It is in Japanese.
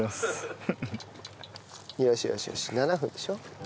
よしよし７分でしょ。